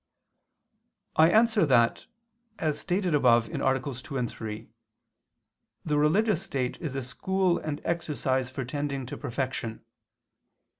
I answer that, As stated above (AA. 2, 3) the religious state is a school and exercise for tending to perfection.